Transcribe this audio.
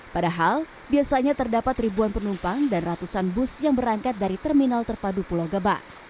padahal biasanya terdapat ribuan penumpang dan ratusan bus yang berangkat dari terminal terpadu pulau gebang